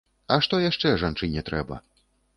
А што яшчэ жанчыне трэба?